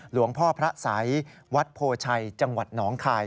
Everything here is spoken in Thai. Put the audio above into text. หลวงพ่อพระสัยวัดโพชัยจังหวัดหนองคาย